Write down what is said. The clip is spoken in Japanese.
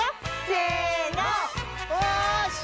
よし。